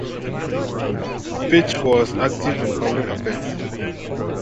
Fitch was active in public affairs.